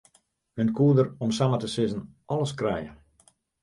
Men koe der om samar te sizzen alles krije.